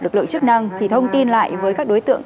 lực lượng chức năng thì thông tin lại với các đối tượng